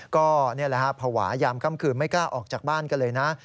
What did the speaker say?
ก็นี่แหละฮะภาวะยามค่ำคืนไม่กล้าออกจากบ้านกันเลยนะ